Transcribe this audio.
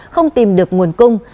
không tìm được nguồn cung